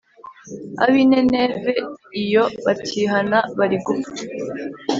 Abinineve iyo batihana bari gupfa